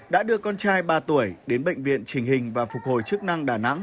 đã đưa con trai ba tuổi đến bệnh viện trình hình và phục hồi chức năng đà nẵng